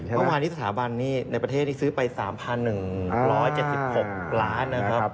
เมื่อวานนี้สถาบันนี้ในประเทศที่ซื้อไป๓๑๗๖ล้านนะครับ